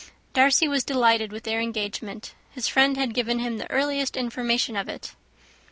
Darcy was delighted with their engagement; his friend had given him the earliest information of it.